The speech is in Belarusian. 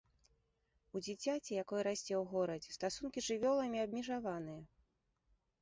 У дзіцяці, якое расце ў горадзе, стасункі з жывёламі абмежаваныя.